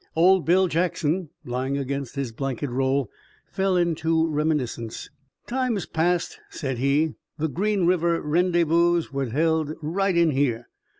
Old Bill Jackson, lying against his blanket roll, fell into reminiscence. "Times past," said he, "the Green River Rendyvous was helt right in here.